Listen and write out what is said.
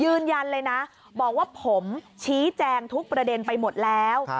ยืนยันเลยนะบอกว่าผมชี้แจงทุกประเด็นไปหมดแล้ว